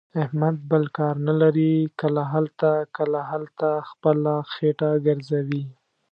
احمد بل کار نه لري. کله هلته، کله هلته، خپله خېټه ګرځوي.